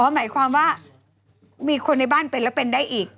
หมายความว่ามีคนในบ้านเป็นแล้วเป็นได้อีก